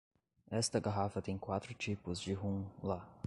Esta garrafa tem quatro tipos de rum lá.